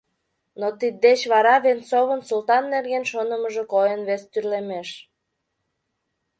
Но тиддеч вара Венцовын Султан нерген шонымыжо койын вестӱрлемеш.